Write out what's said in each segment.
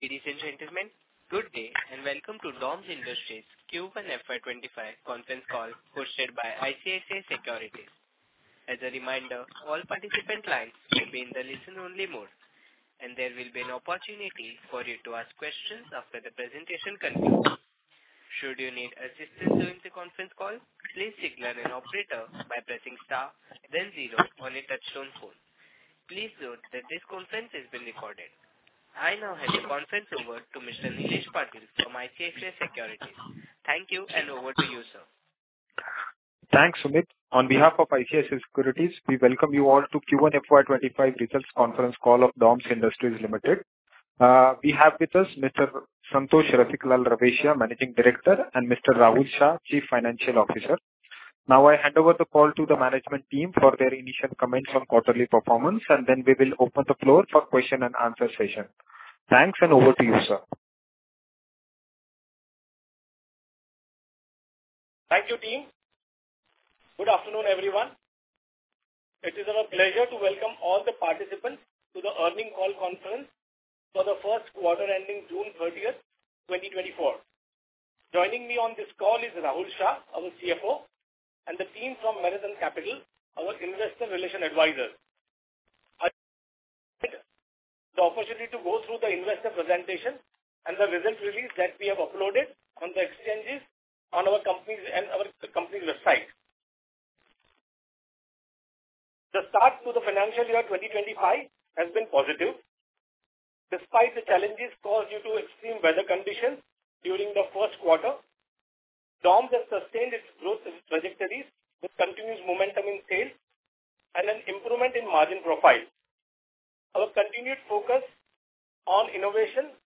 Ladies and gentlemen, good day, and welcome to DOMS Industries Q1 FY25 conference call, hosted by ICICI Securities. As a reminder, all participant lines will be in the listen-only mode, and there will be an opportunity for you to ask questions after the presentation concludes. Should you need assistance during the conference call, please signal an operator by pressing star, then zero on your touchtone phone. Please note that this conference is being recorded. I now hand the conference over to Mr. Nilesh Patil from ICICI Securities. Thank you, and over to you, sir. Thanks, Sumit. On behalf of ICICI Securities, we welcome you all to Q1 FY25 results conference call of DOMS Industries Limited. We have with us Mr. Santosh Rasiklal Raveshia, Managing Director, and Mr. Rahul Shah, Chief Financial Officer. Now, I hand over the call to the management team for their initial comments on quarterly performance, and then we will open the floor for question and answer session. Thanks, and over to you, sir. Thank you, team. Good afternoon, everyone. It is our pleasure to welcome all the participants to the earnings conference call for the first quarter, ending June 30, 2024. Joining me on this call is Rahul Shah, our CFO, and the team from Orient Capital, our investor relations advisor. I invite the opportunity to go through the investor presentation and the results release that we have uploaded on the exchanges on our company's, and our company website. The start to the financial year 2025 has been positive. Despite the challenges caused due to extreme weather conditions during the first quarter, DOMS has sustained its growth trajectories with continuous momentum in sales and an improvement in margin profile. Our continued focus on innovation,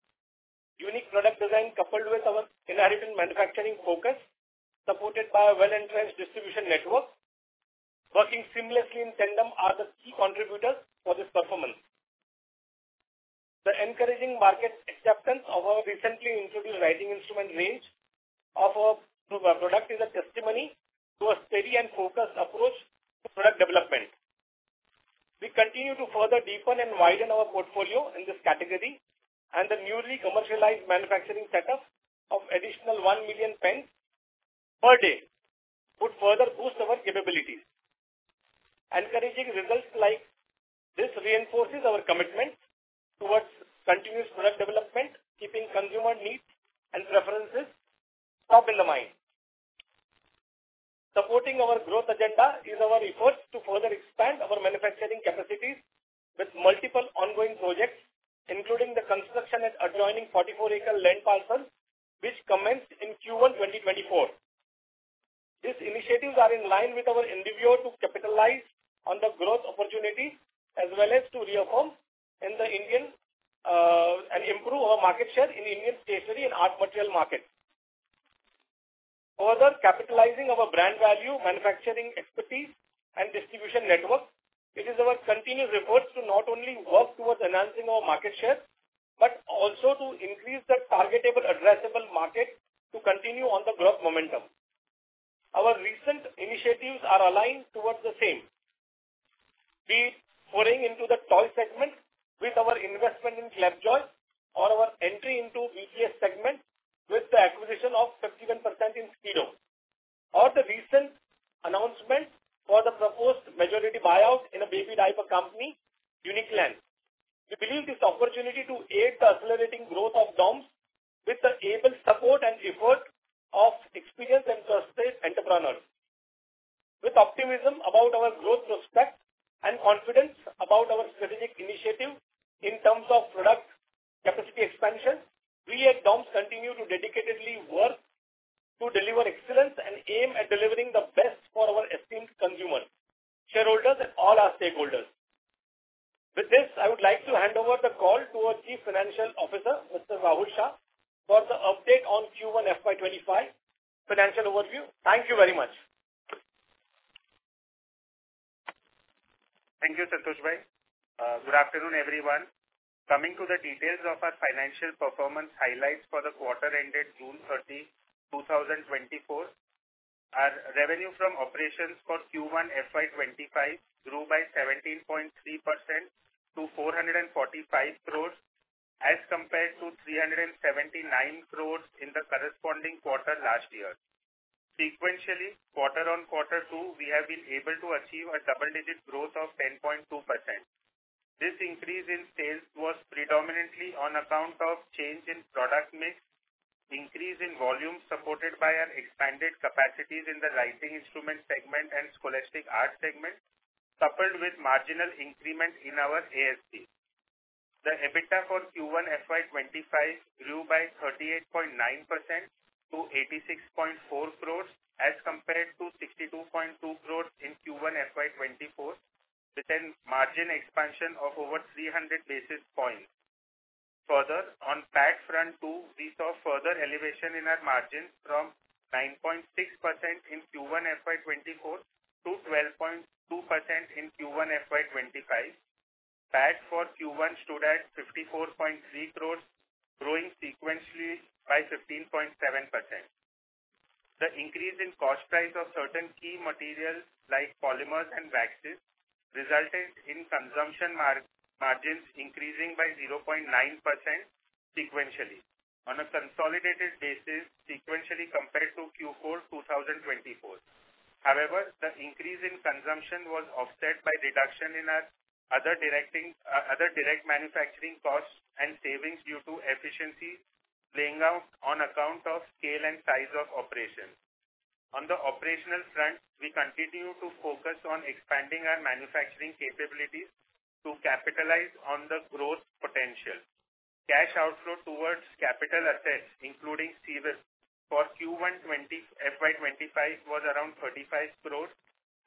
unique product design, coupled with our inherent manufacturing focus, supported by a well-entrenched distribution network, working seamlessly in tandem, are the key contributors for this performance. The encouraging market acceptance of our recently introduced writing instrument range of our product is a testimony to a steady and focused approach to product development. We continue to further deepen and widen our portfolio in this category, and the newly commercialized manufacturing setup of additional 1 million pens per day would further boost our capabilities. Encouraging results like this reinforces our commitment towards continuous product development, keeping consumer needs and preferences top in the mind. Supporting our growth agenda is our efforts to further expand our manufacturing capacities with multiple ongoing projects, including the construction at adjoining 44-acre land parcel, which commenced in Q1 2024. These initiatives are in line with our endeavor to capitalize on the growth opportunity as well as to reaffirm in the Indian, and improve our market share in Indian stationery and art material market. Further, capitalizing our brand value, manufacturing expertise, and distribution network, it is our continuous efforts to not only work towards enhancing our market share, but also to increase the targetable addressable market to continue on the growth momentum. Our recent initiatives are aligned towards the same. Be it foraying into the toy segment with our investment in ClapJoy or our entry into BTS segment with the acquisition of 51% in Skido, or the recent announcement for the proposed majority buyout in a baby diaper company, Uniclan. We believe this opportunity to aid the accelerating growth of DOMS with the able support and effort of experienced and trusted entrepreneurs. With optimism about our growth prospect and confidence about our strategic initiative in terms of product capacity expansion, we at DOMS continue to dedicatedly work to deliver excellence and aim at delivering the best for our esteemed consumers, shareholders, and all our stakeholders. With this, I would like to hand over the call to our Chief Financial Officer, Mr. Rahul Shah, for the update on Q1 FY25 financial overview. Thank you very much. Thank you, Santoshbhai. Good afternoon, everyone. Coming to the details of our financial performance highlights for the quarter ended June 30, 2024, our revenue from operations for Q1 FY2025 grew by 17.3% to 445 crore, as compared to 379 crore in the corresponding quarter last year. Sequentially, quarter on quarter two, we have been able to achieve a double-digit growth of 10.2%. This increase in sales was predominantly on account of change in product mix, increase in volume, supported by our expanded capacities in the writing instrument segment and scholastic art segment, coupled with marginal increment in our ASP. The EBITDA for Q1 FY 2025 grew by 38.9% to 86.4 crore, as compared to 62.2 crore in Q1 FY 2024, with a margin expansion of over 300 basis points. Further, on PAT front, too, we saw further elevation in our margins from 9.6% in Q1 FY 2024 to 12.2% in Q1 FY 2025. PAT for Q1 stood at 54.3 crore, growing sequentially by 15.7%. ...The increase in cost price of certain key materials like polymers and waxes resulted in consumption margins increasing by 0.9% sequentially, on a consolidated basis, sequentially compared to Q4 2024. However, the increase in consumption was offset by reduction in our other direct manufacturing costs and savings due to efficiency playing out on account of scale and size of operations. On the operational front, we continue to focus on expanding our manufacturing capabilities to capitalize on the growth potential. Cash outflow towards capital assets, including civil works for Q1 FY 2025, was around 35 crore,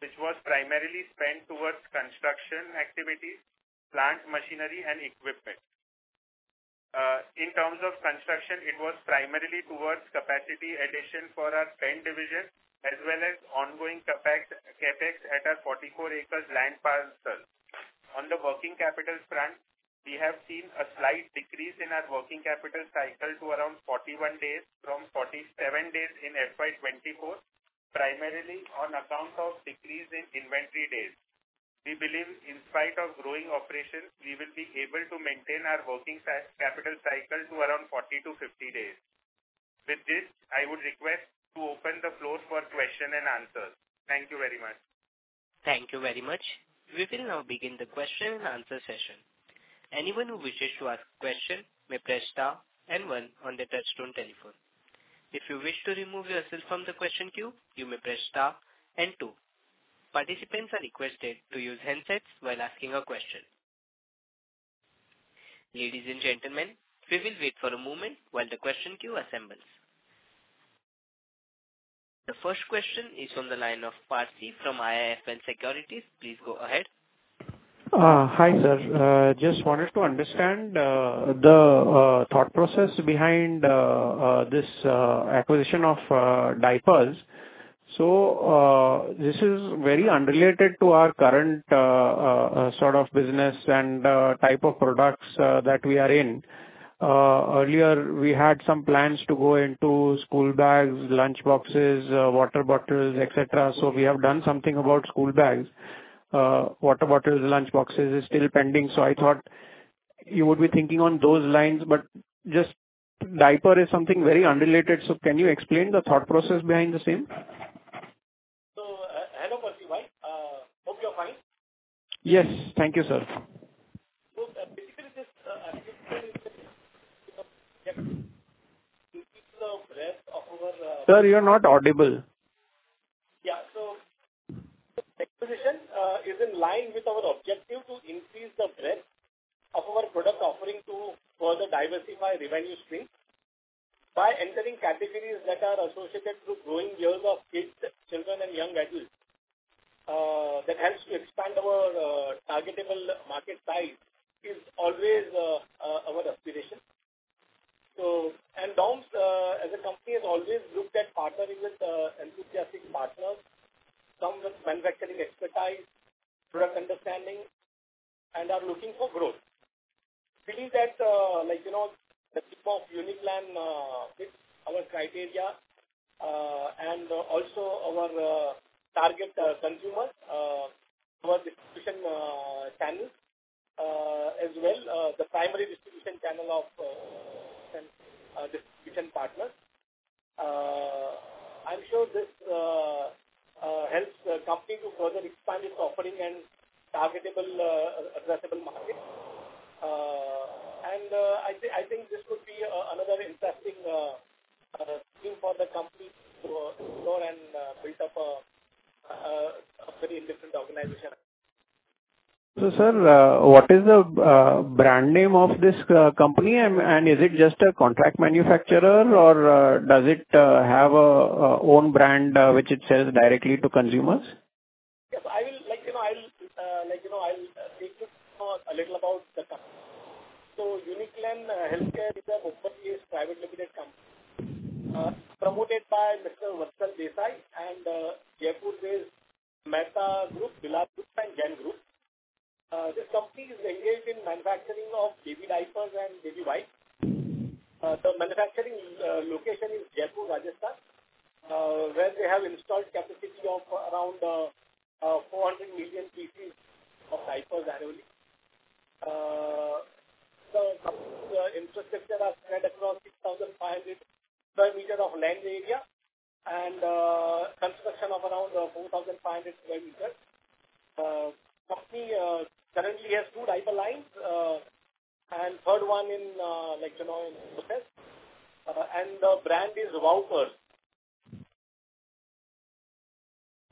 which was primarily spent towards construction activities, plant machinery and equipment. In terms of construction, it was primarily towards capacity addition for our paint division, as well as ongoing CapEx, CapEx at our 44 acres land parcel. On the working capital front, we have seen a slight decrease in our working capital cycle to around 41 days from 47 days in FY 2024, primarily on account of decrease in inventory days. We believe in spite of growing operations, we will be able to maintain our working capital cycle to around 40 to 50 days. With this, I would request to open the floor for question and answers. Thank you very much. Thank you very much. We will now begin the question and answer session. Anyone who wishes to ask a question may press star and one on their touchtone telephone. If you wish to remove yourself from the question queue, you may press star and two. Participants are requested to use handsets while asking a question. Ladies and gentlemen, we will wait for a moment while the question queue assembles. The first question is from the line of Percy from IIFL Securities. Please go ahead. Hi, sir. Just wanted to understand the thought process behind this acquisition of diapers. So, this is very unrelated to our current sort of business and type of products that we are in. Earlier, we had some plans to go into school bags, lunch boxes, water bottles, et cetera. So we have done something about school bags, water bottles, lunch boxes is still pending, so I thought you would be thinking on those lines, but just diaper is something very unrelated, so can you explain the thought process behind the same? Hello, Percy. Hope you're fine? Yes. Thank you, sir. Sir, you are not audible. Yeah. So acquisition is in line with our objective to increase the breadth of our product offering to further diversify revenue stream. By entering categories that are associated with growing years of kids, children and young adults, that helps to expand our targetable market size, is always our aspiration. So, and DOMS as a company, has always looked at partnering with enthusiastic partners, some with manufacturing expertise, product understanding, and are looking for growth. We feel that, like, you know, the people of Uniclan fit our criteria, and also our target consumer, our distribution channel as well, the primary distribution channel of distribution partners. I'm sure this helps the company to further expand its offering and targetable addressable market. And, I think this could be another interesting thing for the company to explore and build up a very different organization. Sir, what is the brand name of this company? Is it just a contract manufacturer or does it have its own brand which it sells directly to consumers? Yes, I will like, you know, I'll, like, you know, I'll take you a little about the company. So Uniclan Healthcare is a publicly listed private limited company, promoted by Mr. Vatsal Desai and, Jaipur based Mehta Group, Dileep Group and Jain Group. This company is engaged in manufacturing of baby diapers and baby wipes. The manufacturing location is Jaipur, Rajasthan, where they have installed capacity of around 400 million pieces of diapers annually. So the infrastructure are spread across 6,500 square meters of land area, and, construction of around 4,500 square meters. Company currently has two diaper lines, and third one in, like, you know, in process, and the brand is Wowper.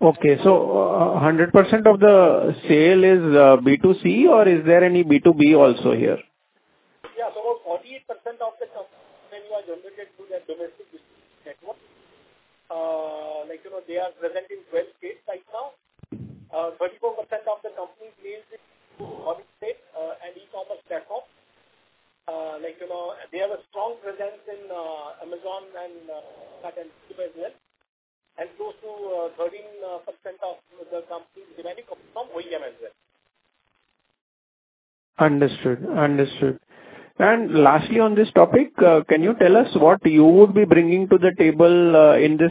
Okay. 100% of the sale is B2C or is there any B2B also here? Yeah. So 48% of the company are generated through their domestic network. Like, you know, they are present in 12 states right now. Thirty-four percent of the company deals with state and e-commerce platform. Like, you know, they have a strong presence in Amazon and that and as well, and close to thirteen percent of the company is coming from OEM as well. ...Understood, understood. And lastly, on this topic, can you tell us what you would be bringing to the table, and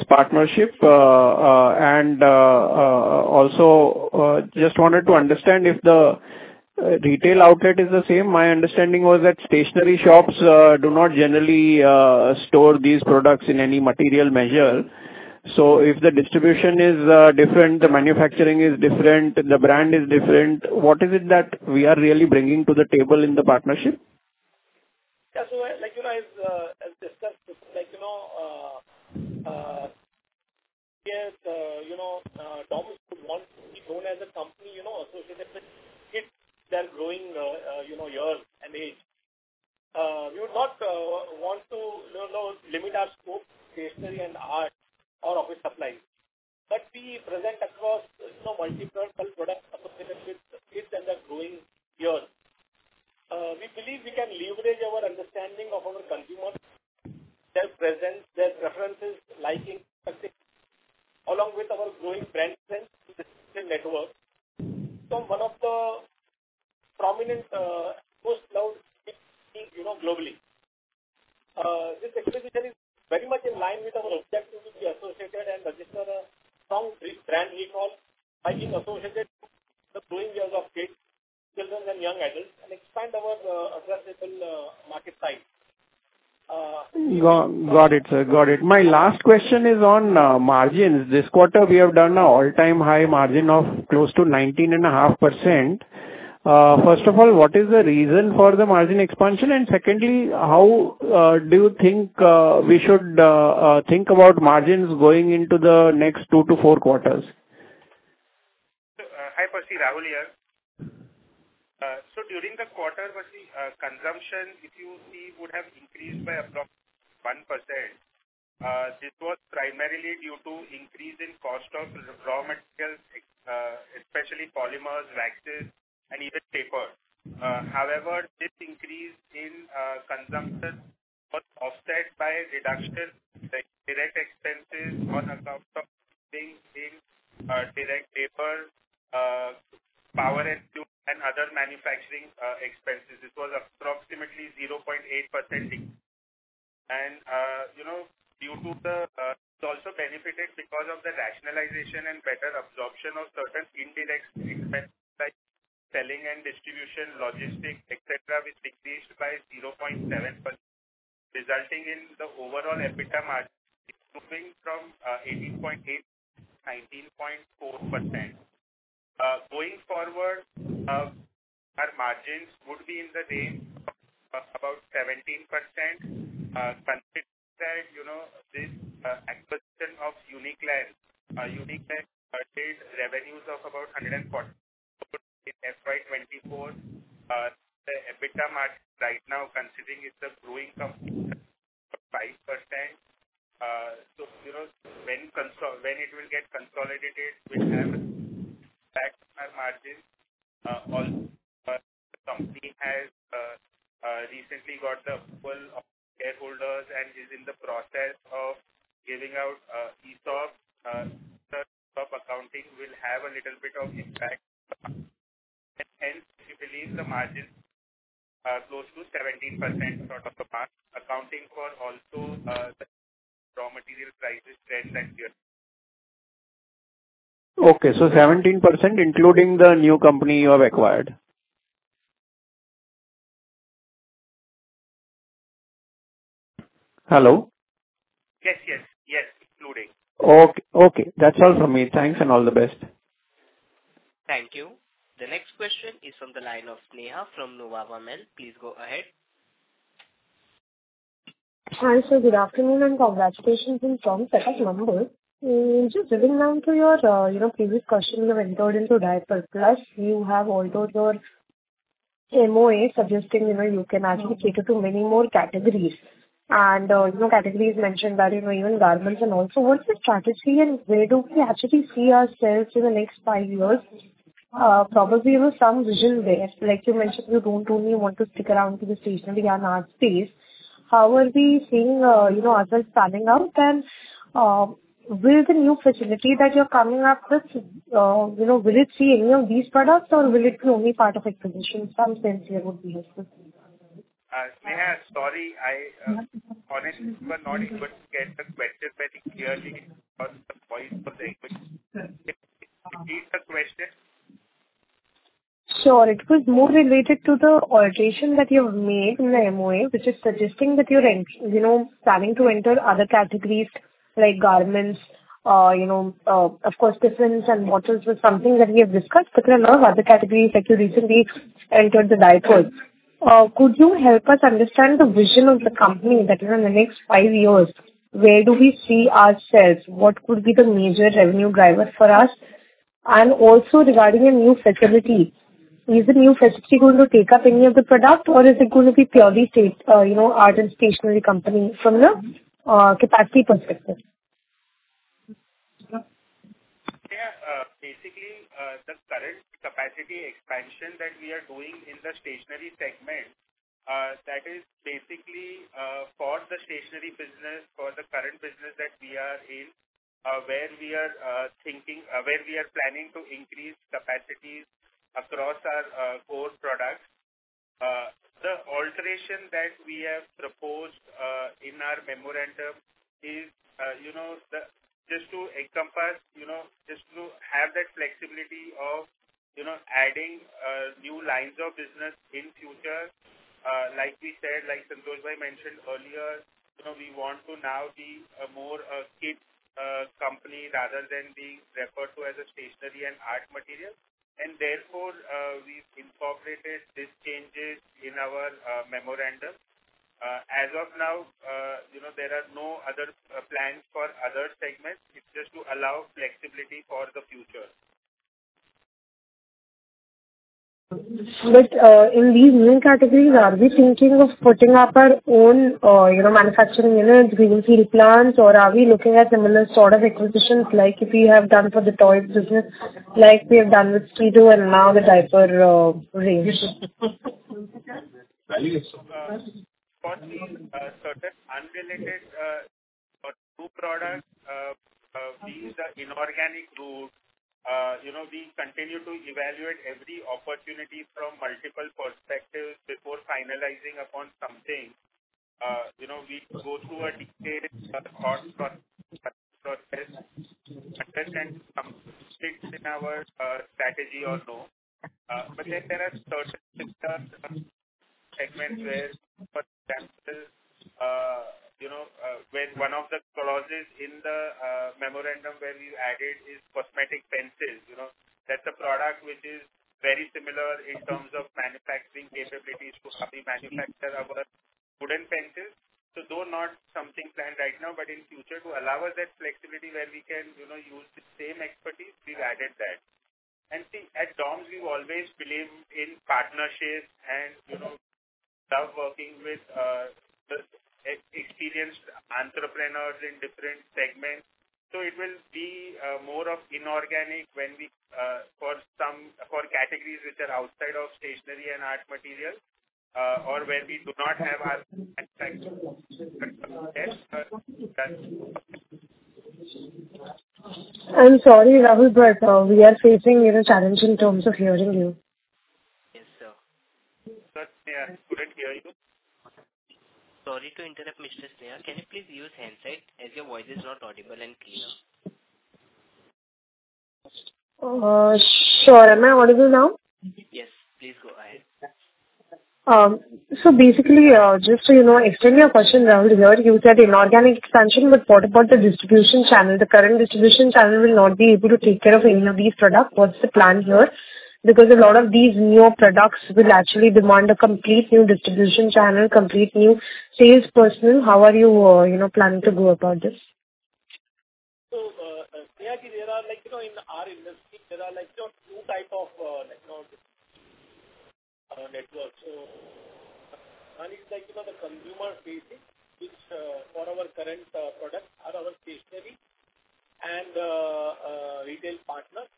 also, just wanted to understand if the retail outlet is the same. My understanding was that stationery shops do not generally store these products in any material measure. So if the distribution is different, the manufacturing is different, the brand is different, what is it that we are really bringing to the table in the partnership? Yeah. So as, like, you know, as, as discussed, like, you know, yes, you know, DOMS would want to be known as a company, you know, associated with kids that are growing, years and age. We would not want to, you know, limit our scope, stationery and art or office supplies, but we present across, you know, multiple products associated with kids and their growing years. We believe we can leverage our understanding of our consumers, their presence, their preferences, liking, along with our growing brand and distribution network. So one of the prominent, most loved, you know, globally. This exhibition is very much in line with our objective to be associated and register a strong brand recall by being associated with the growing years of kids, children and young adults, and expand our addressable market size. Got it, sir. Got it. My last question is on margins. This quarter, we have done an all-time high margin of close to 19.5%. First of all, what is the reason for the margin expansion? And secondly, how do you think we should think about margins going into the next 2-4 quarters? Hi, Percy, Rahul here. So during the quarter, Percy, consumption, if you see, would have increased by approximately 1%. This was primarily due to increase in cost of raw materials, especially polymers, waxes, and even paper. However, this increase in consumption was offset by a reduction in direct expenses on account of being in direct paper, power and other manufacturing expenses. This was approximately 0.8%. And, you know, due to the, it's also benefited because of the rationalization and better absorption of certain indirect expenses, like selling and distribution, logistics, et cetera, which decreased by 0.7%, resulting in the overall EBITDA margin improving from 18.8% to 19.4%. Going forward, our margins would be in the range of about 17%, considering that, you know, this acquisition of Uniclan. Uniclan posted revenues of about INR 140 in FY 2024. The EBITDA margin right now, considering it's a growing company, 5%. So, you know, when it will get consolidated, which have impact on our margins, the company has recently got the full shareholders and is in the process of giving out ESOP, the accounting will have a little bit of impact. And we believe the margins are close to 17% sort of mark, accounting for also the raw material prices trend next year. Okay. So 17%, including the new company you have acquired? Hello? Yes, yes, yes, including. Okay, okay. That's all from me. Thanks, and all the best. Thank you. The next question is from the line of Sneha from Nuvama Wealth. Please go ahead. Hi, sir. Good afternoon, and congratulations on a strong set of numbers. Just drilling down to your previous question, you know, you have entered into diaper business, you know, and also your MOA suggesting, you know, you can actually cater to many more categories. And, you know, categories mentioned that, you know, even garments and also what's the strategy and where do we actually see ourselves in the next five years? Probably, you know, some vision there. Like you mentioned, you don't only want to stick around to the stationery and arts space. How are we seeing, you know, ourselves standing out? And, with the new facility that you're coming up with, you know, will it see any of these products, or will it be only part of stationery some sense there would be? Neha, sorry, I honestly was not able to get the question very clearly and the point of the question. Repeat the question. Sure. It was more related to the alteration that you have made in the MOA, which is suggesting that you're, you know, planning to enter other categories like garments, you know, of course, cushions and bottles was something that we have discussed, but there are a lot of other categories that you recently entered the diaper. Could you help us understand the vision of the company, that in the next five years, where do we see ourselves? What could be the major revenue drivers for us? And also regarding a new facility, is the new facility going to take up any of the product, or is it going to be purely, you know, art and stationery company from the capacity perspective? Yeah. Basically, the current capacity expansion that we are doing in the stationery segment—that is basically for the stationery business, for the current business that we are in, where we are planning to increase capacities across our core products. The alteration that we have proposed in our memorandum is, you know, just to encompass, you know, just to have that flexibility of, you know, adding new lines of business in future. Like we said, like Santosh mentioned earlier, you know, we want to now be a more kids company rather than being referred to as a stationery and art material. And therefore, we've incorporated these changes in our memorandum. As of now, you know, there are no other plans for other segments. It's just to allow flexibility for the future. But, in these new categories, are we thinking of putting up our own, you know, manufacturing units, greenfield plants, or are we looking at similar sort of acquisitions like we have done for the toy business, like we have done with Skido and now the diaper range? For certain unrelated or new products, these are inorganic route. You know, we continue to evaluate every opportunity from multiple perspectives before finalizing upon something. You know, we go through a detailed thought process, understand some shifts in our strategy or no. But then there are certain segments where, for example, you know, where one of the clauses in the memorandum where we added is cosmetic pencils, you know. That's a product which is very similar in terms of manufacturing capabilities to how we manufacture our wooden pencils. So though not something planned right now, but in future to allow us that flexibility where we can, you know, use the same expertise, we've added that. And see, at DOMS, we've always believed in partnerships and, you know, love working with the experienced entrepreneurs in different segments. So it will be more of inorganic for categories which are outside of stationery and art material, or where we do not have our experts. I'm sorry, Rahul, but we are facing a little challenge in terms of hearing you. Yes, sir. Sorry, couldn't hear you. Sorry to interrupt, Mrs. Sneha. Can you please use handset as your voice is not audible and clear? Sure. Am I audible now? Yes, please go ahead. So basically, just to, you know, extend my question, Rahul, here you said inorganic expansion, but what about the distribution channel? The current distribution channel will not be able to take care of any of these products. What's the plan here? Because a lot of these new products will actually demand a complete new distribution channel, complete new sales personnel. How are you, you know, planning to go about this? So, Sneha, there are like, you know, in our industry, there are like, you know, two type of, like, networks. So one is, like, you know, the consumer-facing, which, for our current, products are our stationery and, retail partners,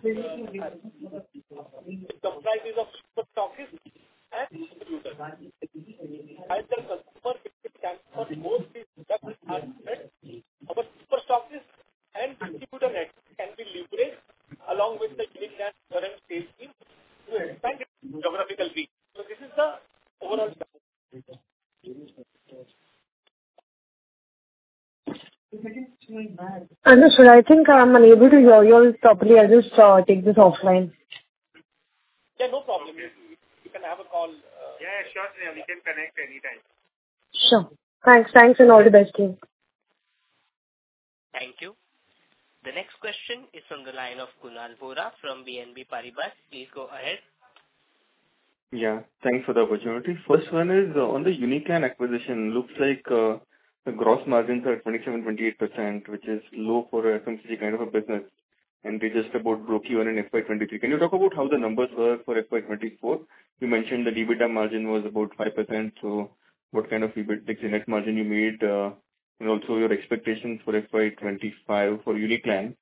suppliers of super stocks and distributors. As the customer, it can cover most of the product aspect. Our super stocks and distributor networks can be leveraged along with the Uniclan current capacity and geographical reach. So this is the overall picture. Understood. I think I'm unable to hear you properly. I'll just take this offline. Yeah, no problem. We can have a call. Yeah, sure, Neha. We can connect anytime. Sure. Thanks. Thanks, and all the best to you. Thank you. The next question is from the line of Kunal Vora from BNP Paribas. Please go ahead. Yeah, thanks for the opportunity. First one is on the Uniclan acquisition. Looks like, the gross margins are at 27%-28%, which is low for a FMCG kind of a business, and they just about broke even in FY 2023. Can you talk about how the numbers were for FY 2024? You mentioned the EBITDA margin was about 5%. So what kind of EBITDA margin you made, and also your expectations for FY 2025 for Uniclan,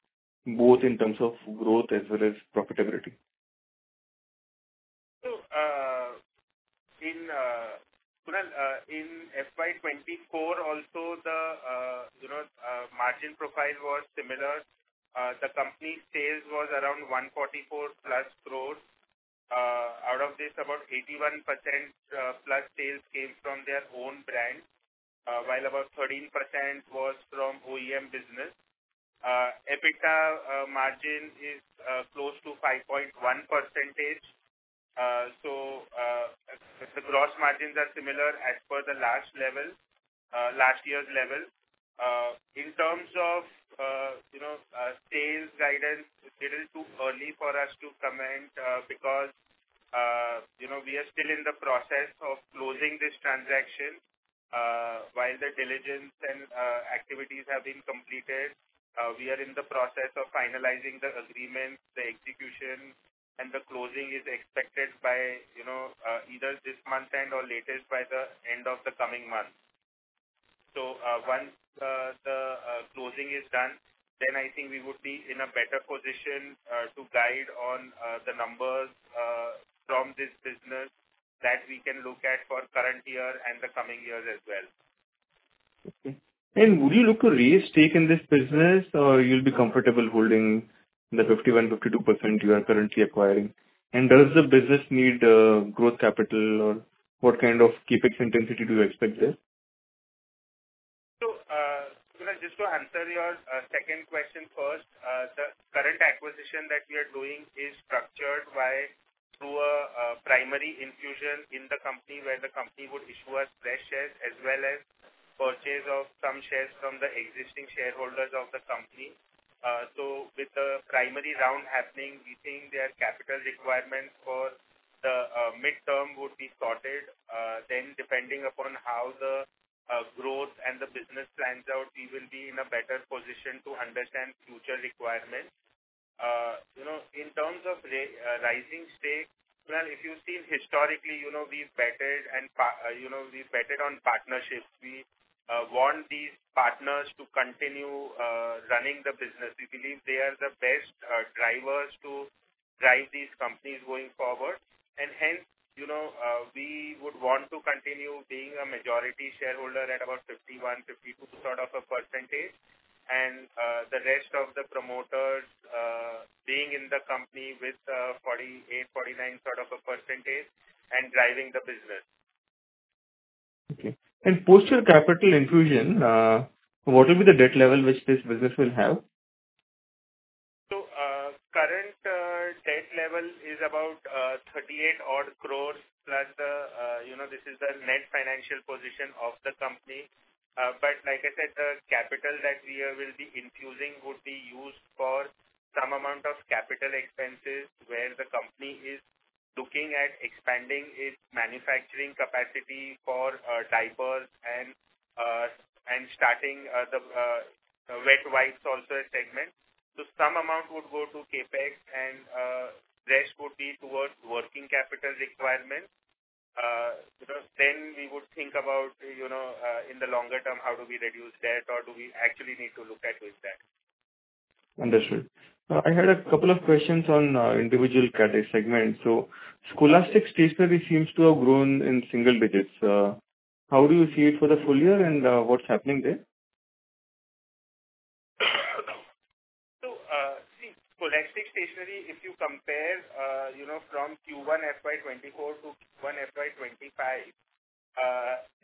both in terms of growth as well as profitability? So, in, Kunal, in FY 2024 also the, you know, margin profile was similar. The company sales was around 144+ crore. Out of this, about 81%, plus sales came from their own brand, while about 13% was from OEM business. EBITDA, margin is, close to 5.1%. So, the gross margins are similar as per the last level, last year's level. In terms of, you know, sales guidance, it is too early for us to comment, because, you know, we are still in the process of closing this transaction. While the diligence and activities have been completed, we are in the process of finalizing the agreements, the execution, and the closing is expected by, you know, either this month end or latest by the end of the coming month. Once the closing is done, then I think we would be in a better position to guide on the numbers from this business that we can look at for current year and the coming years as well. Okay. And would you look to raise stake in this business, or you'll be comfortable holding the 51%-52% you are currently acquiring? And does the business need growth capital, or what kind of CapEx intensity do you expect there? So, Kunal, just to answer your second question first. The current acquisition that we are doing is structured by, through a primary infusion in the company, where the company would issue us fresh shares as well as purchase of some shares from the existing shareholders of the company. So with the primary round happening, we think their capital requirements for the midterm would be sorted. Then, depending upon how the growth and the business plans out, we will be in a better position to understand future requirements. You know, in terms of raising stake, well, if you see historically, you know, we've betted on partnerships. We want these partners to continue running the business. We believe they are the best, drivers to drive these companies going forward, and hence, you know, we would want to continue being a majority shareholder at about 51-52% sort of a percentage. The rest of the promoters, being in the company with, 48-49% sort of a percentage and driving the business. Okay. Post your capital infusion, what will be the debt level which this business will have? So, current debt level is about 38 odd crores plus the, you know, this is the net financial position of the company. But like I said, the capital that we will be infusing would be used for some amount of capital expenses, where the company is looking at expanding its manufacturing capacity for diapers and starting the wet wipes, also a segment. So some amount would go to CapEx, and rest would be towards working capital requirements. Because then we would think about, you know, in the longer term, how do we reduce debt or do we actually need to look at with that? Understood. I had a couple of questions on individual category segment. scholastic stationery seems to have grown in single digits. How do you see it for the full year, and what's happening there? So, see, scholastic stationery, if you compare, you know, from Q1 FY 2024 to Q1 FY 2025,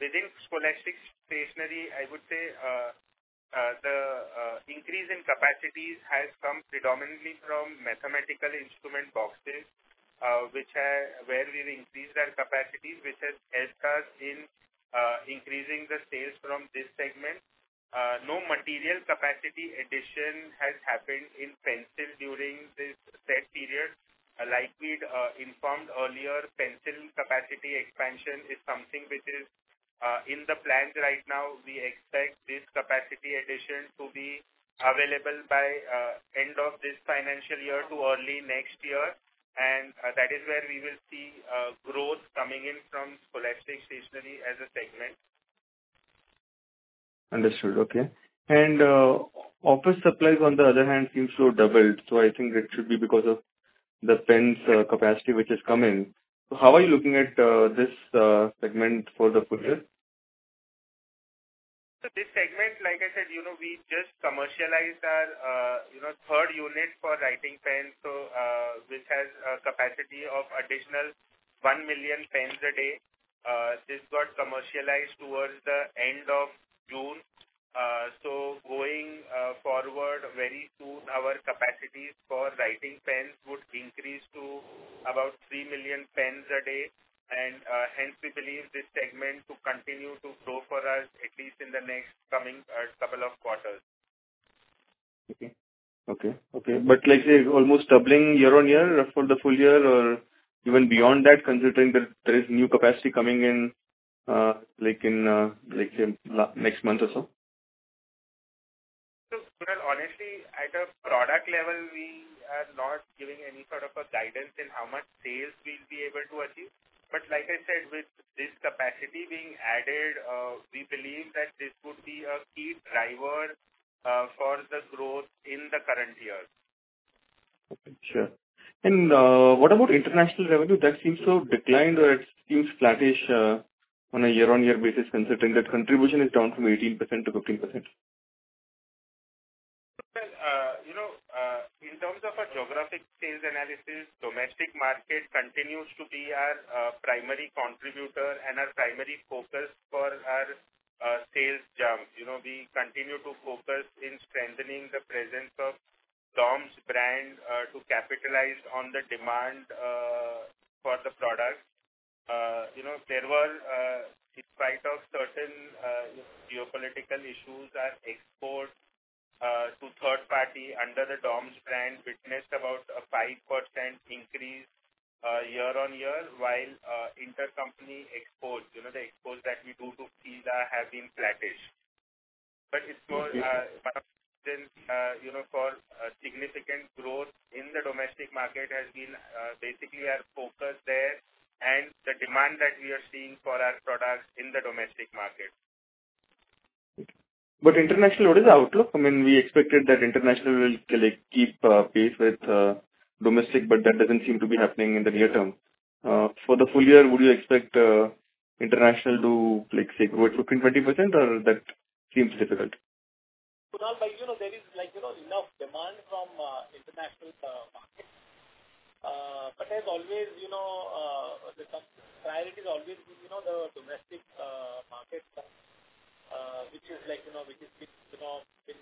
within scholastic stationery, I would say, the increase in capacities has come predominantly from mathematical instrument boxes, where we've increased our capacities, which has helped us in increasing the sales from this segment. No material capacity addition has happened in pencil during this said period. Like we'd informed earlier, pencil capacity expansion is something which is in the plans right now. We expect this capacity addition to be available by end of this financial year to early next year, and that is where we will see growth coming in from scholastic stationery as a segment. Understood. Okay. And, office supplies, on the other hand, seems to have doubled, so I think it should be because of the pens, capacity, which is coming. So how are you looking at, this, segment for the full year? So this segment, like I said, you know, we just commercialized our, you know, third unit for writing pens, so, which has a capacity of additional 1 million pens a day. This got commercialized towards the end of June. So going, forward, very soon, our capacities for writing pens would increase to about 3 million pens a day, and, hence we believe this segment to continue to grow for us, at least in the next coming, couple of quarters. Okay. Okay, okay. But like, say, almost doubling year on year for the full year or even beyond that, considering that there is new capacity coming in, like in next month or so? So Kunal, honestly, at a product level, we are not giving any sort of a guidance in how much sales we'll be able to achieve. But like I said, with this capacity being added, we believe that this would be a key driver for the growth in the current year. Okay. Sure. And, what about international revenue? That seems to have declined or it seems flattish, on a year-on-year basis, considering that contribution is down from 18% to 15%. You know, in terms of a geographic sales analysis, domestic market continues to be our primary contributor and our primary focus for our sales jump. You know, we continue to focus in strengthening the presence of DOMS brand to capitalize on the demand for the product. You know, there were, in spite of certain geopolitical issues, our export to third party under the DOMS brand witnessed about a 5% increase year-on-year, while intercompany exports, you know, the exports that we do to FILA have been flattish. But it's more, you know, for significant growth in the domestic market has been basically our focus there, and the demand that we are seeing for our products in the domestic market. But international, what is the outlook? I mean, we expected that international will, like, keep pace with domestic, but that doesn't seem to be happening in the near term. For the full year, would you expect international to, like, say, what, 20%, or that seems difficult? So now, like, you know, there is, like, you know, enough demand from international markets. But there's always, you know, the top priority is always, you know, the domestic markets, which is like, you know, which is, which, you know, been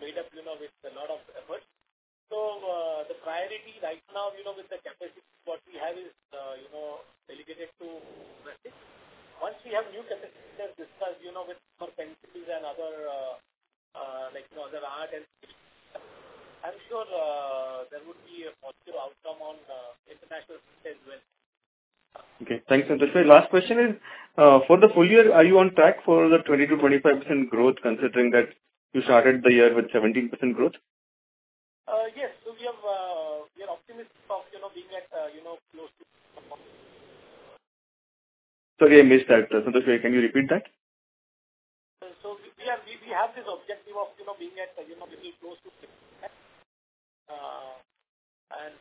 made up, you know, with a lot of effort. So the priority right now, you know, with the capacity what we have is, you know, dedicated to domestic. Once we have new capacities, discuss, you know, with our principles and other, like, you know, other items, I'm sure there would be a positive outcome on international front as well. Okay, thanks. And the last question is, for the full year, are you on track for the 20%-25% growth, considering that you started the year with 17% growth? Yes. So we have, we are optimistic of, you know, being at, you know, close to. Sorry, I missed that, Santosh Raveshia. Can you repeat that? So we have this objective of, you know, being at, you know, pretty close to 10, and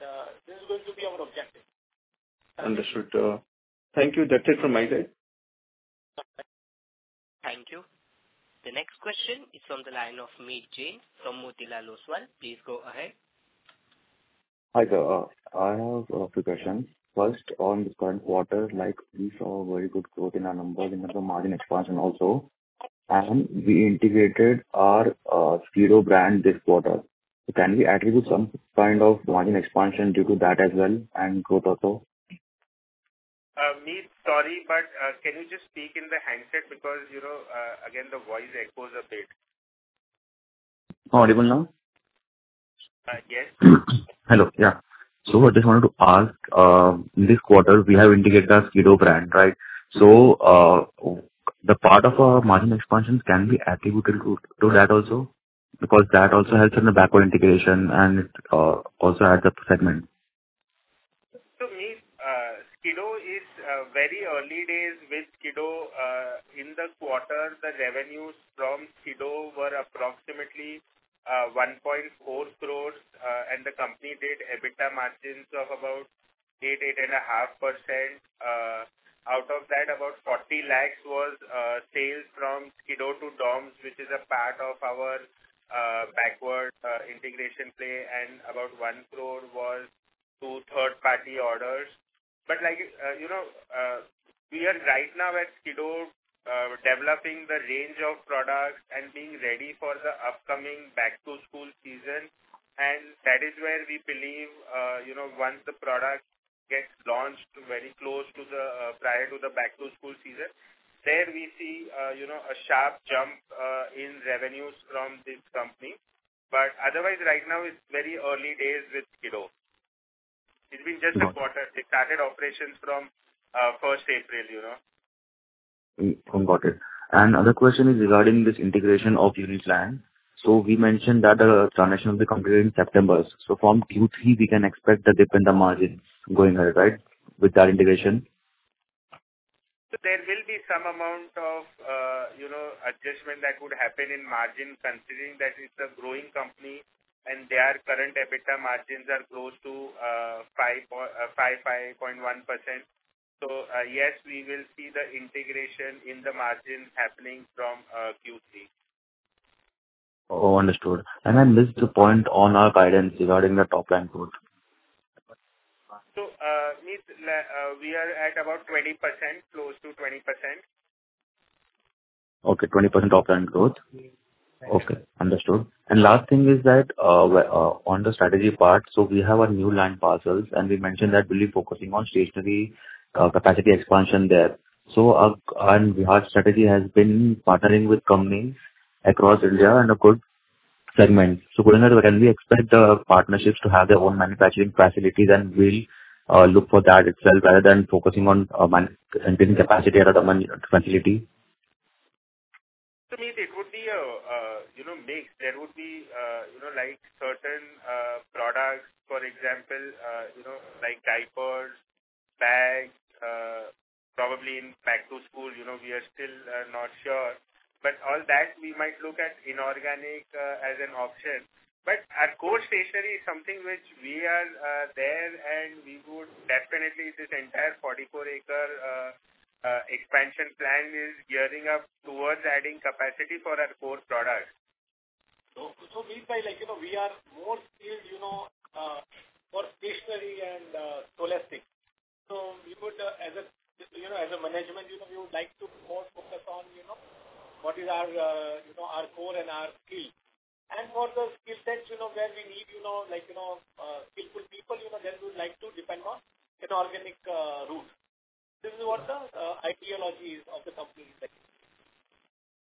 this is going to be our objective. Understood. Thank you. That's it from my side. Thank you. The next question is from the line of Meet Jain from Motilal Oswal. Please go ahead. Hi there. I have a few questions. First, on the current quarter, like, we saw a very good growth in our numbers, in the margin expansion also, and we integrated our Skido brand this quarter. So can we attribute some kind of margin expansion due to that as well and growth also? Meet, sorry, but can you just speak in the handset? Because, you know, again, the voice echoes a bit. Audible now? Yes. Hello, yeah. So I just wanted to ask, this quarter, we have integrated our Skido brand, right? So, the part of our margin expansion can be attributable to, to that also, because that also helps in the backward integration and, also adds up the segment. So, Meet, Skido is very early days with Skido. In the quarter, the revenues from Skido were approximately 1.4 crore, and the company did EBITDA margins of about 8%-8.5%. Out of that, about 40 lakh was sales from Skido to DOMS, which is a part of our backward integration play, and about 1 crore was to third-party orders. But like, you know, we are right now at Skido developing the range of products and being ready for the upcoming back-to-school season, and that is where we believe, you know, once the product gets launched very close to the prior to the back-to-school season, there we see, you know, a sharp jump in revenues from this company. But otherwise, right now it's very early days with Skido. It's been just a quarter. They started operations from first April, you know? Got it. And another question is regarding this integration of Uniclan. So we mentioned that, transaction will be completed in September. So from Q3, we can expect the dip in the margins going ahead, right, with that integration? So there will be some amount of, you know, adjustment that would happen in margin, considering that it's a growing company and their current EBITDA margins are close to 5.1%. So, yes, we will see the integration in the margins happening from Q3. Oh, understood. I missed the point on our guidance regarding the top line growth. Meet, we are at about 20%, close to 20%. Okay, 20% top line growth. Yes. Okay, understood. And last thing is that, on the strategy part, so we have our new land parcels, and we mentioned that we'll be focusing on stationery, capacity expansion there. So, and your strategy has been partnering with companies across India and a good segment. So can we, can we expect the partnerships to have their own manufacturing facilities, and we'll look for that itself, rather than focusing on building capacity or the manufacturing? To me, it would be a, you know, mix. There would be, you know, like, certain products, for example, you know, like diapers, bags, probably in back-to-school, you know, we are still not sure. But all that we might look at inorganic as an option. But our core stationery is something which we are there, and we would definitely, this entire 44-acre expansion plan is gearing up towards adding capacity for our core products. So we feel like, you know, we are more skilled, you know, for stationery and scholastic. So we would, as a, you know, as a management, you know, we would like to more focus on, you know, what is our, you know, our core and our skill. And for the skill sets, you know, where we need, you know, like, you know, skillful people, you know, then we would like to depend on inorganic route. This is what the ideology is of the company.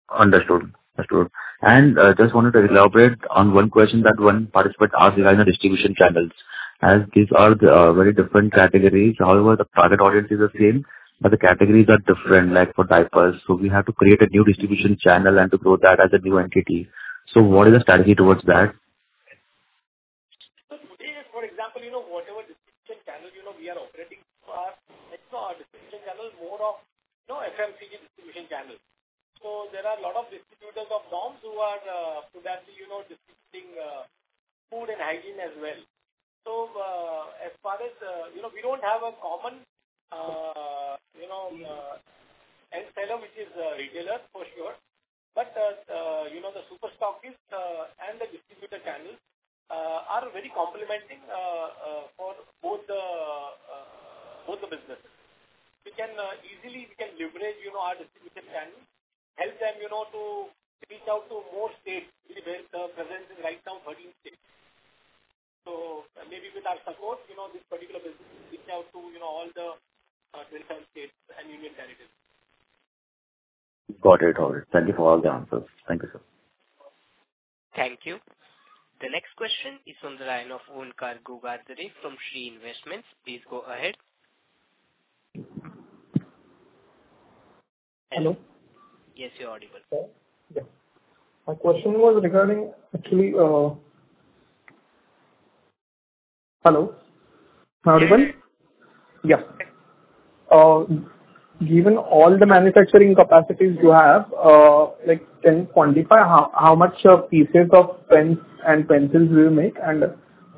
Understood. Understood. And, just wanted to elaborate on one question that one participant asked regarding the distribution channels, as these are very different categories. However, the target audience is the same, but the categories are different, like for diapers. So we have to create a new distribution channel and to grow that as a new entity. So what is the strategy towards that? So today, for example, you know, whatever distribution channel, you know, we are operating are extra distribution channels, more of, you know, FMCG distribution channels. So there are a lot of distributors of DOMS who could actually, you know, distributing, food and hygiene as well. So, as far as, you know, we don't have a common, you know, seller, which is a retailer for sure. But, you know, the super stockists, and the distributor channels, are very complementing, for both the, both the businesses. We can, easily we can leverage, you know, our distribution channels, help them, you know, to reach out to more states where the presence is right now, 13 states. So maybe with our support, you know, this particular business reach out to, you know, all the states and union territories. Got it. All right. Thank you for all the answers. Thank you, sir. Thank you. The next question is from the line of Onkar Ghugardare from Shree Investments. Please go ahead. Hello? Yes, you're audible. Yeah. My question was regarding actually, hello? Am I audible? Yes. Given all the manufacturing capacities you have, like, can you quantify how much of pieces of pens and pencils you make, and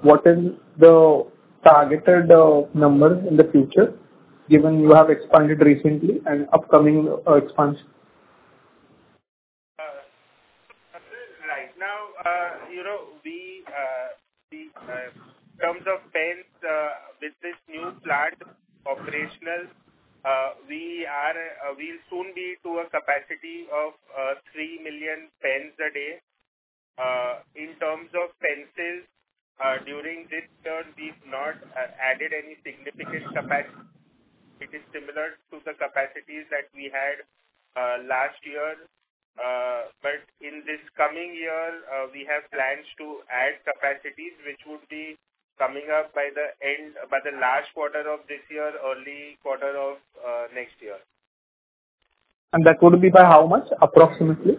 what is the targeted numbers in the future, given you have expanded recently and upcoming expansion? Right now, you know, we, we, in terms of pens, with this new plant operational, we are, we'll soon be to a capacity of 3 million pens a day. In terms of pencils, during this term, we've not added any significant capacity. It is similar to the capacities that we had last year. But in this coming year, we have plans to add capacities, which would be coming up by the end, by the last quarter of this year, early quarter of next year. That would be by how much, approximately?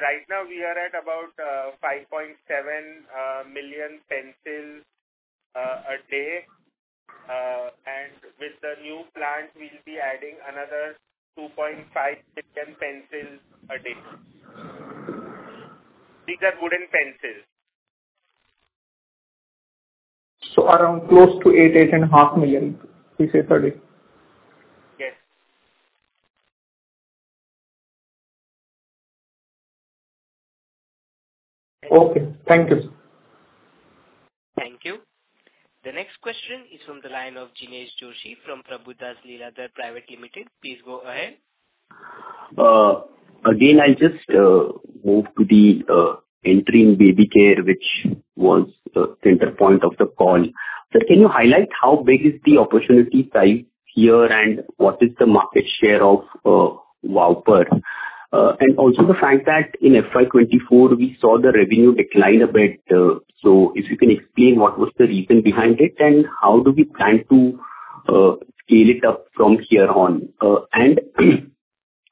Right now we are at about 5.7 million pencils a day. With the new plant, we'll be adding another 2.5 million pencils a day. These are wooden pencils. Around close to 8-8.5 million pieces a day? Yes. Okay, thank you. Thank you. The next question is from the line of Jinesh Joshi from Prabhudas Lilladher Private Limited. Please go ahead. Again, I'll just move to the entry in baby care, which was the center point of the call. So can you highlight how big is the opportunity size here, and what is the market share of Wowper? And also the fact that in FY 2024, we saw the revenue decline a bit. So if you can explain what was the reason behind it, and how do we plan to scale it up from here on? And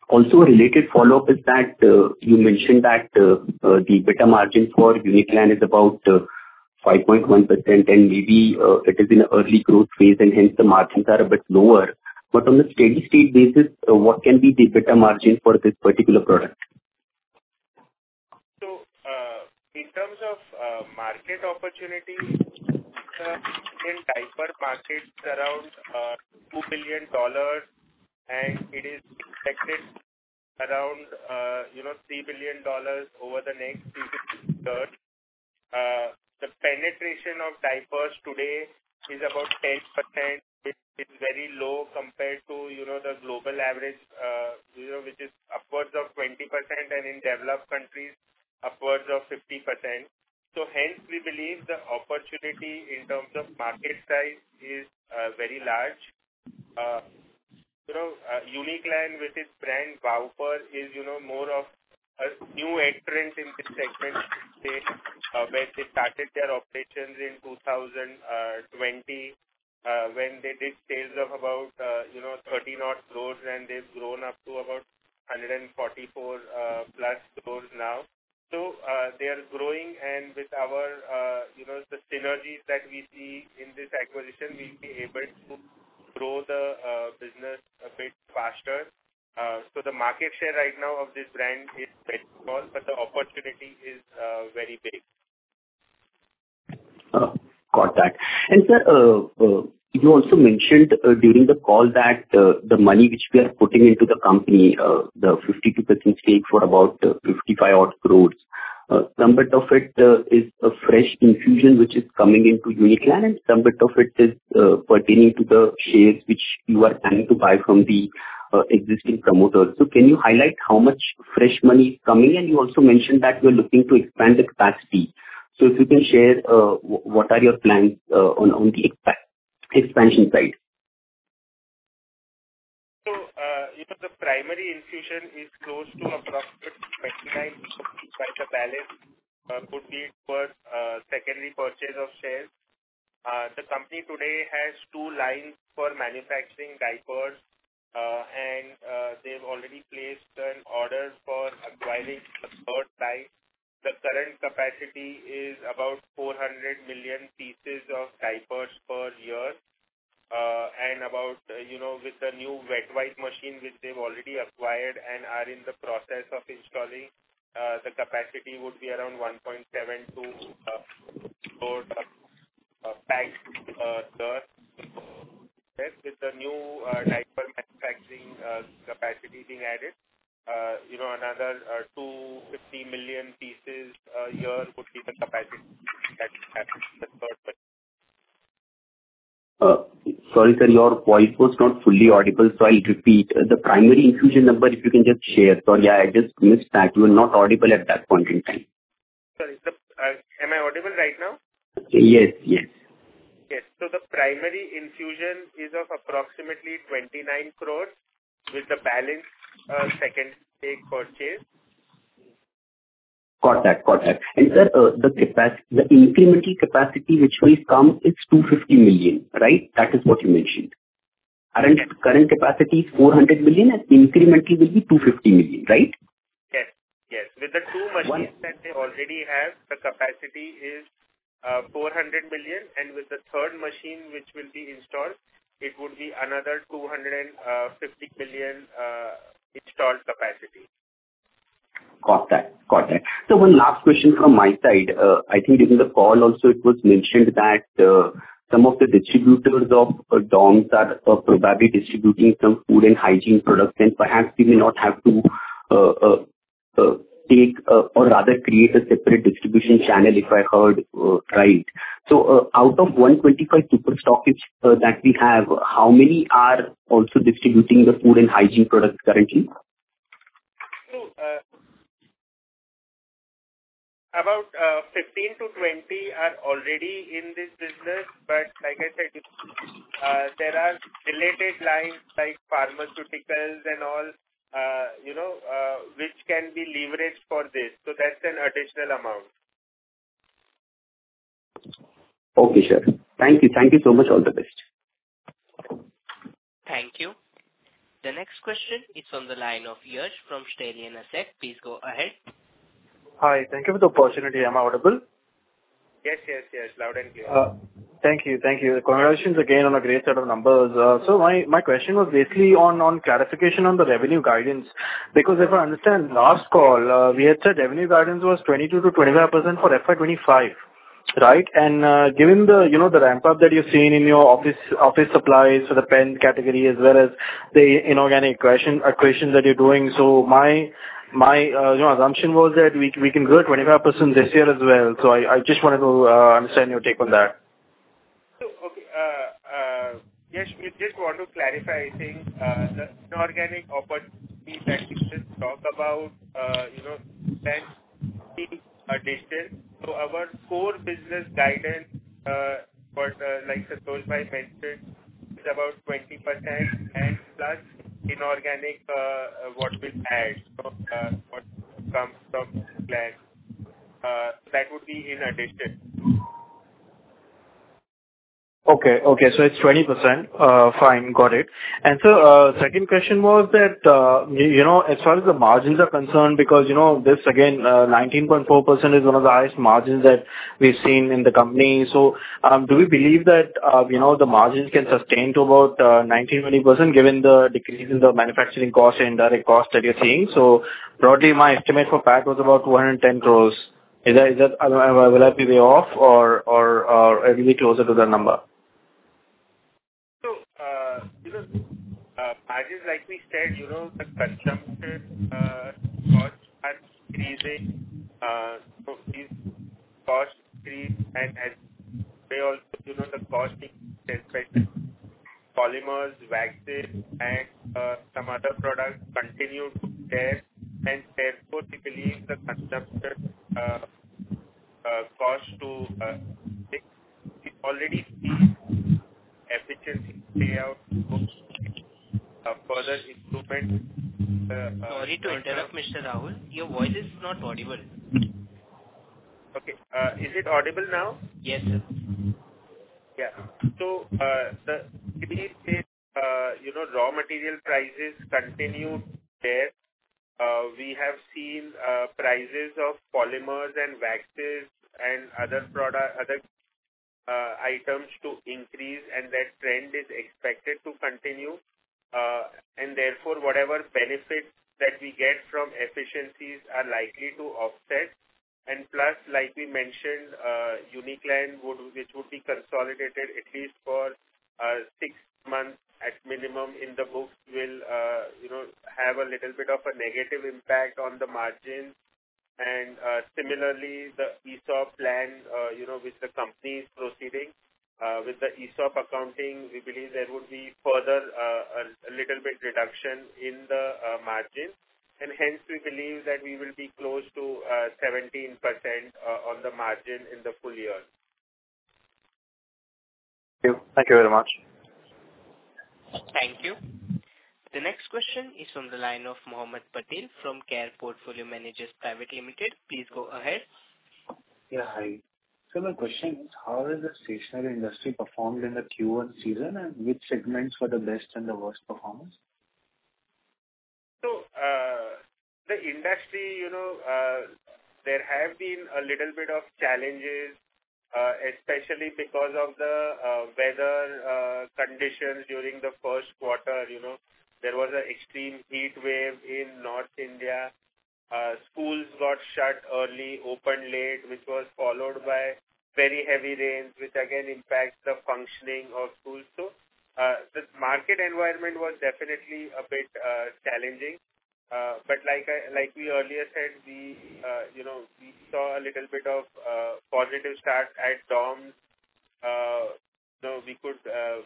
also a related follow-up is that you mentioned that the EBITDA margin for Uniclan is about 5.1%, and maybe it is in an early growth phase, and hence the margins are a bit lower. But on a steady state basis, what can be the EBITDA margin for this particular product? So, in terms of, market opportunity, in diaper market, it's around $2 billion, and it is expected around, you know, $3 billion over the next few years. The penetration of diapers today is about 10%, which is very low compared to, you know, the global average, you know, which is upwards of 20%, and in developed countries, upwards of 50%. So hence, we believe the opportunity in terms of market size is, very large. You know, Uniclan, with its brand, Wowper, is, you know, more of a new entrant in this segment, where they started their operations in 2020, when they did sales of about, you know, 30-odd crore, and they've grown up to about 144+ crore now. So, they are growing, and with our, you know, the synergies that we see in this acquisition, we'll be able to grow the business a bit faster. So the market share right now of this brand is very small, but the opportunity is very big. Got that. And sir, you also mentioned during the call that the money which we are putting into the company, the 52% stake for about 55 crore, some bit of it is a fresh infusion, which is coming into Uniclan, and some bit of it is pertaining to the shares which you are planning to buy from the existing promoters. So can you highlight how much fresh money is coming in? You also mentioned that you're looking to expand the capacity. So if you can share what are your plans on the expansion side? The primary infusion is close to approximately 29 million, but the balance could be for secondary purchase of shares. The company today has two lines for manufacturing diapers, and they've already placed an order for acquiring a third line. The current capacity is about 400 million pieces of diapers per year, and about, you know, with the new wet wipe machine, which they've already acquired and are in the process of installing, the capacity would be around 1.7 to 4. With the new diaper manufacturing capacity being added, you know, another 250 million pieces a year would be the capacity that happens. Sorry, sir, your voice was not fully audible, so I'll repeat. The primary infusion number, if you can just share. Sorry, I just missed that. You were not audible at that point in time. Sorry, so, am I audible right now? Yes, yes. Yes. So the primary infusion is of approximately 29 crore, with the balance secondary purchase. Got that. Got that. And the incremental capacity which will come is 250 million, right? That is what you mentioned. Current, current capacity is 400 million, and incrementally will be 250 million, right? Yes, yes. With the two machines that they already have, the capacity is 400 million, and with the third machine, which will be installed, it would be another 250 million installed capacity. Got that. Got that. So one last question from my side. I think in the call also, it was mentioned that some of the distributors of DOMS are probably distributing some food and hygiene products, and perhaps they may not have to take or rather create a separate distribution channel, if I heard right. So, out of 125 super stockists that we have, how many are also distributing the food and hygiene products currently? So, about 15-20 are already in this business, but like I said, there are related lines like pharmaceuticals and all, you know, which can be leveraged for this. So that's an additional amount. Okay, sure. Thank you. Thank you so much. All the best. Thank you. The next question is from the line of Yash from Stallion Asset. Please go ahead. Hi, thank you for the opportunity. Am I audible? Yes, yes, yes, loud and clear. Thank you. Thank you. Congratulations again on a great set of numbers. So my, my question was basically on, on clarification on the revenue guidance, because if I understand last call, we had said revenue guidance was 22%-25% for FY 2025, right? And, given the, you know, the ramp-up that you're seeing in your office, office supplies, so the pen category as well as the inorganic acquisition, acquisitions that you're doing, so my, my, you know, assumption was that we, we can grow at 25% this year as well. So I, I just wanted to understand your take on that. So, okay, yes, we just want to clarify, I think, the inorganic opportunities that we just talk about, you know, pen being additional. So our core business guidance, for, like Santosh mentioned, is about 20% and plus inorganic, what we add, what comes from land. That would be in addition. Okay, okay. So it's 20%. Fine, got it. And so, second question was that, you know, as far as the margins are concerned, because, you know, this again, 19.4% is one of the highest margins that we've seen in the company. So, do we believe that, you know, the margins can sustain to about, 19%-20%, given the decrease in the manufacturing cost and direct cost that you're seeing? So broadly, my estimate for PAT was about 210 crore. Is that, is that, will I be way off or, or, or are we closer to the number? So, you know, margins, like we said, you know, the consumption costs are increasing, so these costs increase and as they also, you know, the cost is affected. Polymers, waxes, and some other products continue to bear, and therefore, we believe the consumption cost to... We already see efficiency payout, further improvement. Sorry to interrupt, Mr. Rahul. Your voice is not audible. Okay. Is it audible now? Yes, sir. Yeah. So, you know, raw material prices continue there. We have seen prices of polymers and waxes and other items to increase, and that trend is expected to continue. And therefore, whatever benefits that we get from efficiencies are likely to offset. And plus, like we mentioned, Uniclan would, which would be consolidated at least for 6 months at minimum in the books, will, you know, have a little bit of a negative impact on the margins. And, similarly, the ESOP plan, you know, with the company's proceedings, with the ESOP accounting, we believe there would be further, a little bit reduction in the margins, and hence we believe that we will be close to 17% on the margin in the full year.... Thank you very much. Thank you. The next question is from the line of Mohammed Patel from Care Portfolio Managers Private Limited. Please go ahead. Yeah, hi. So my question is: How has the stationery industry performed in the Q1 season, and which segments were the best and the worst performers? So, the industry, you know, there have been a little bit of challenges, especially because of the weather conditions during the first quarter, you know. There was an extreme heat wave in North India. Schools got shut early, opened late, which was followed by very heavy rains, which again impacts the functioning of schools. So, the market environment was definitely a bit challenging. But like I, like we earlier said, we, you know, we saw a little bit of positive start at DOMS. So we could,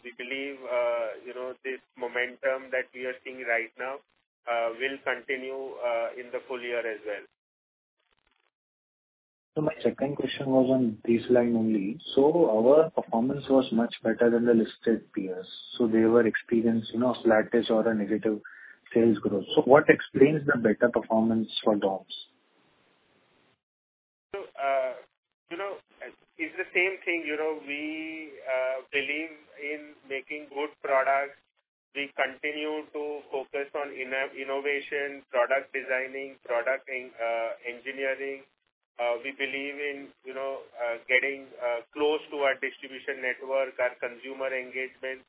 we believe, you know, this momentum that we are seeing right now will continue in the full year as well. So my second question was on this line only. So our performance was much better than the listed peers, so they experienced, you know, flatness or a negative sales growth. So what explains the better performance for DOMS? So, you know, it's the same thing. You know, we believe in making good products. We continue to focus on innovation, product designing, product engineering. We believe in, you know, getting close to our distribution network, our consumer engagement.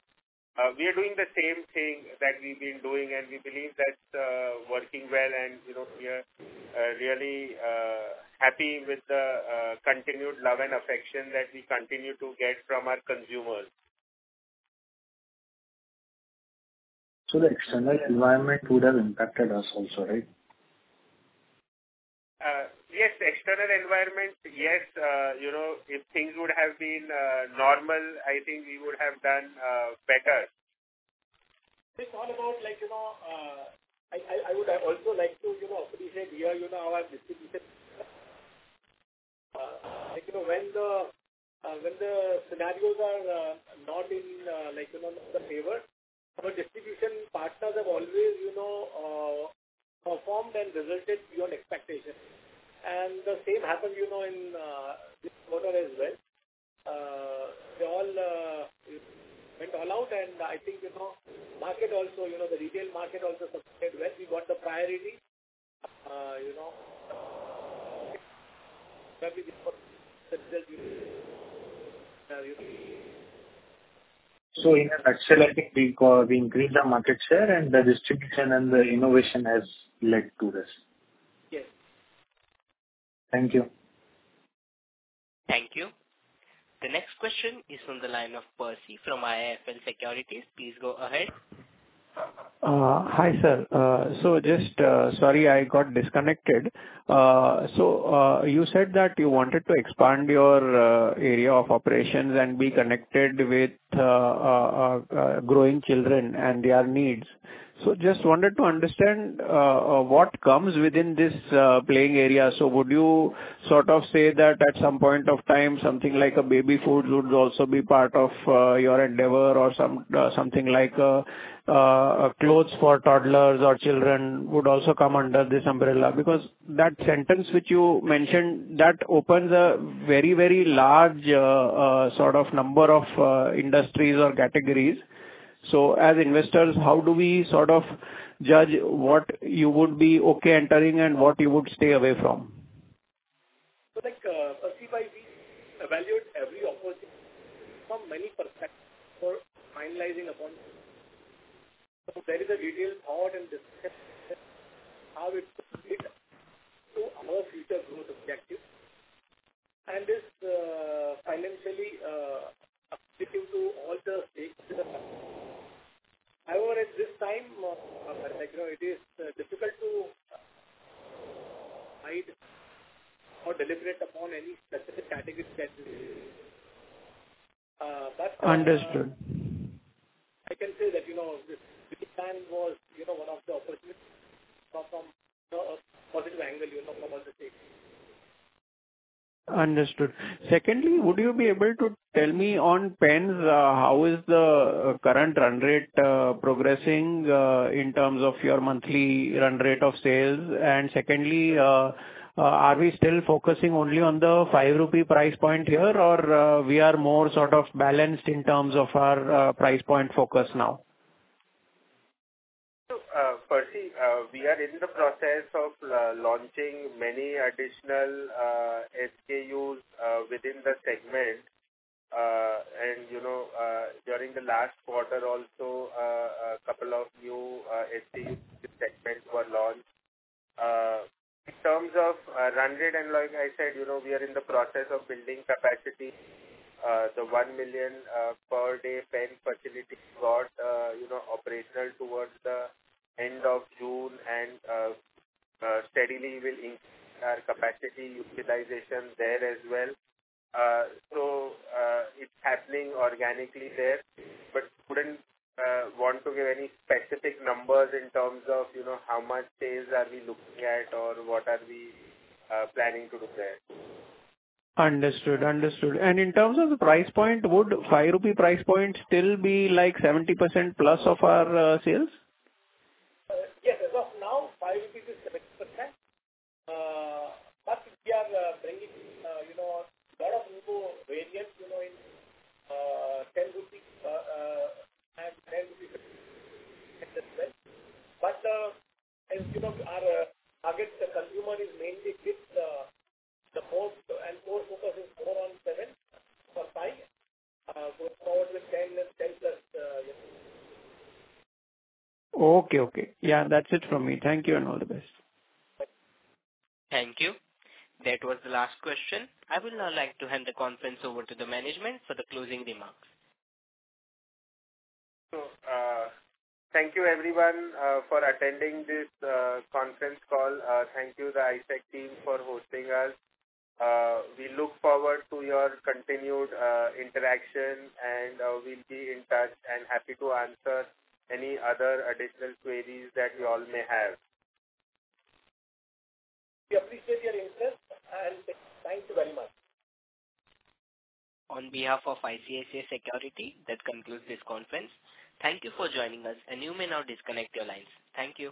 We are doing the same thing that we've been doing, and we believe that's working well, and, you know, we are really happy with the continued love and affection that we continue to get from our consumers. So the external environment would have impacted us also, right? Yes. The external environment, yes, you know, if things would have been normal, I think we would have done better. It's all about like, you know, I would have also like to, you know, appreciate we are, you know, our distribution. Like, you know, when the, when the scenarios are, not in, like, you know, the favor, our distribution partners have always, you know, performed and resulted beyond expectation. And the same happened, you know, in, this quarter as well. They all, went all out, and I think, you know, market also, you know, the retail market also subscribed well. We got the priority, you know, In actually, I think we increased our market share, and the distribution and the innovation has led to this. Yes. Thank you. Thank you. The next question is from the line of Percy from IIFL Securities. Please go ahead. Hi, sir. So just... Sorry, I got disconnected. So, you said that you wanted to expand your area of operations and be connected with growing children and their needs. So just wanted to understand what comes within this playing area. So would you sort of say that at some point of time, something like a baby food would also be part of your endeavor or something like a clothes for toddlers or children would also come under this umbrella? Because that sentence which you mentioned, that opens a very, very large sort of number of industries or categories. So as investors, how do we sort of judge what you would be okay entering and what you would stay away from? So, like, Percy, we evaluate every opportunity from many perspectives for finalizing upon. So there is a detailed thought and discussion, how it fits to our future growth objective, and is, financially, sticking to all the stakes in the ground. However, at this time, you know, it is difficult to find or deliberate upon any specific categories that, that- Understood. I can say that, you know, this plan was, you know, one of the opportunities from the positive angle, you know, from our perspective. Understood. Secondly, would you be able to tell me on pens, how is the current run rate progressing in terms of your monthly run rate of sales? Secondly, are we still focusing only on the 5 rupee price point here or we are more sort of balanced in terms of our price point focus now? So, Percy, we are in the process of launching many additional SKUs within the segment. And, you know, during the last quarter also, a couple of new SKUs in the segment were launched. In terms of run rate, and like I said, you know, we are in the process of building capacity. The 1 million per day pen facility got, you know, operational towards the end of June and steadily will increase our capacity utilization there as well. So, it's happening organically there, but wouldn't want to give any specific numbers in terms of, you know, how much sales are we looking at or what are we planning to do there. Understood. Understood. In terms of the price point, would 5 rupee price point still be like 70%+ of our sales? Yes. As of now, INR 5 is 7%. But we are bringing, you know, lot of new variants, you know, in INR 10, and INR 10 as well. But, as you know, our target consumer is mainly kids. The more and more focus is more on 7 or 5, going forward with 10 and 10+, yes. Okay, okay. Yeah, that's it from me. Thank you, and all the best. Thank you. That was the last question. I would now like to hand the conference over to the management for the closing remarks. Thank you everyone for attending this conference call. Thank you, the ICICI team, for hosting us. We look forward to your continued interaction, and we'll be in touch and happy to answer any other additional queries that you all may have. We appreciate your interest, and thank you very much. On behalf of ICICI Securities, that concludes this conference. Thank you for joining us, and you may now disconnect your lines. Thank you.